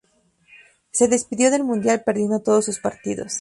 Se despidió del mundial perdiendo todos sus partidos.